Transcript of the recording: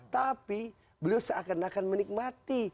tapi beliau seakan akan menikmati